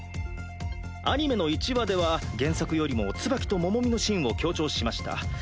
アニメの１話では原作よりもツバキとモモミのシーンを強調しました。